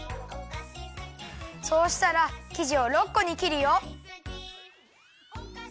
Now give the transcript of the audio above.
そうしたらきじを６こにきるよ。